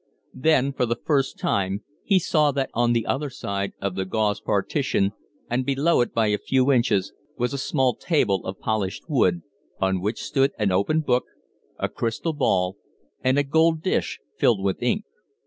Then, for the first time, he saw that on the other side of the gauze partition, and below it by a few inches, was a small table of polished wood, on which stood an open book, a crystal ball, and a gold dish filled with ink.